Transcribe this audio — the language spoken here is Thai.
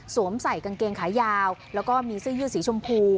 ใส่กางเกงขายาวแล้วก็มีเสื้อยืดสีชมพู